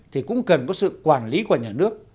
thì cũng cần có sự quản lý của nhà nước